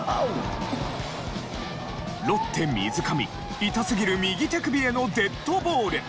ロッテ水上痛すぎる右手首へのデッドボール。